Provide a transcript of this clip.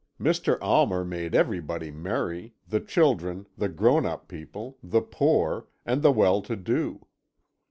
Mr. Almer made everybody merry, the children, the grown up people, the poor, and the well to do.